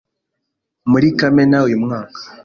Muri Kamena uyu mwaka